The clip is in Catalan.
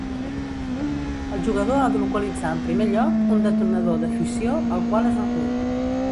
El jugador ha de localitzar en primer lloc un detonador de fissió, el qual es recull.